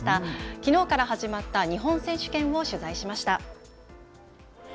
きのうから始まった日本選手権を取材しました。